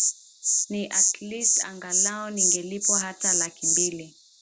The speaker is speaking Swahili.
ni at least angalao ningelipwa hata laki mbili